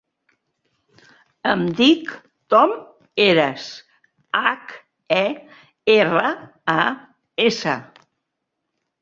Em dic Tom Heras: hac, e, erra, a, essa.